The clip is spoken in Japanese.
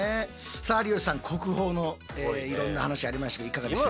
さあ有吉さん国宝のいろんな話ありましたけどいかがでしたか？